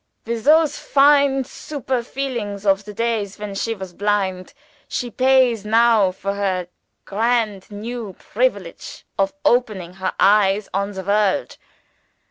With those fine superfine feelings of the days when she was blind, she pays now for her grand new privilege of opening her eyes on the world.